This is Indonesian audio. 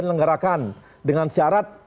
dilenggarakan dengan syarat